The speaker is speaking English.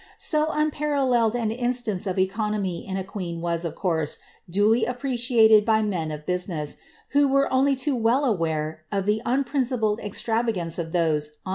So unparalleled an instance of econamj s in a queen was, of course, duly appreciated by men of business, who :; were only too well aware o( the unprincipled extraTagance of tboiM on